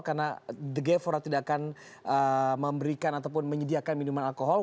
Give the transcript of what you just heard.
karena the gevora tidak akan memberikan ataupun menyediakan minuman alkohol